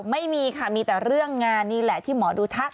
ไม่มีค่ะมีแต่เรื่องงานนี่แหละที่หมอดูทัก